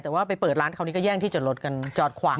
แต่ว่าไปเปิดร้านคราวนี้ก็แย่งที่จอดรถกันจอดขวาง